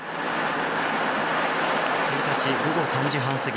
１日午後３時半すぎ